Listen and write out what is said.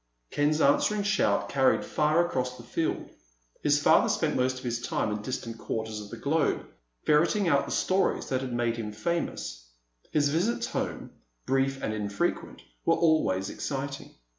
Ken's answering shout carried far across the field. His father spent most of his time in distant quarters of the globe, ferreting out the stories that had made him famous. His visits home, brief and infrequent, were always exciting.